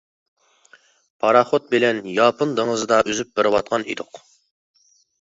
پاراخوت بىلەن ياپون دېڭىزىدا ئۈزۈپ بېرىۋاتقان ئىدۇق.